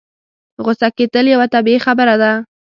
غوسه کېدل يوه طبيعي خبره ده.